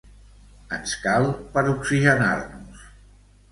Ens cal per oxigenar- nos.